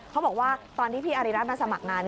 เขาบอกว่าตอนที่พี่อาริรัติมาสมัครงาน